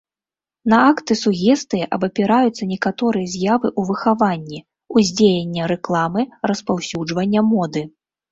На акты сугестыі абапіраюцца некаторыя з'явы ў выхаванні, ўздзеяння рэкламы, распаўсюджвання моды.